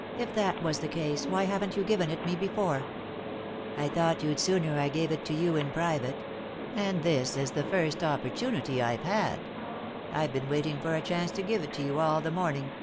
" If that was the case, why haven't you given it me before ?"" I thought you'd sooner I gave it to you in private, and this is the first opportunity I've had I've been waiting for a chance to give it you all the morning."